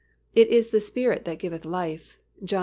"It is the Spirit that giveth life" (John vi.